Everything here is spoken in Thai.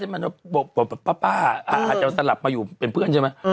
แหม่นวันพันปีป้านะอาจารย์สลับมาอยู่เป็นเพื่อนใช่ไหม